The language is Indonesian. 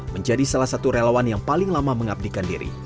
menjadi salah satu relawan yang paling lama mengabdikan diri